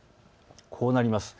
こうなります。